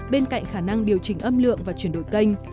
bên cạnh khả năng điều chỉnh âm lượng và chuyển đổi kênh